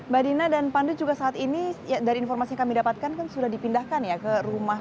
badinah dan pandu juga saat ini ya dari informasi kami dapatkan kan sudah dipindahkan ya ke rumah